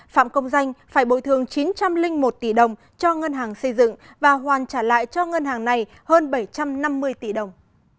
phạm công danh phải bồi thường chín trăm linh một tỷ đồng cho ngân hàng xây dựng và hoàn trả lại cho ngân hàng này hơn bảy trăm năm mươi tỷ đồng